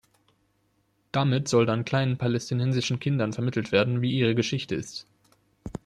Damit soll dann kleinen palästinensischen Kindern vermittelt werden, wie ihre Geschichte ist.